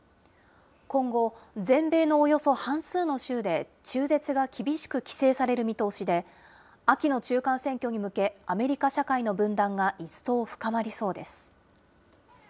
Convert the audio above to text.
今後、全米のおよそ半数の州で中絶が厳しく規制される見通しで、秋の中間選挙に向け、アメリカ社会の分断が一層深まりそうです。